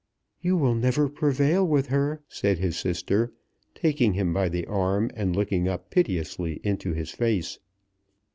"You will never prevail with her," said his sister, taking him by the arm, and looking up piteously into his face.